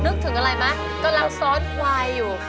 นึกถึงอะไรไหมกำลังซ้อนควายอยู่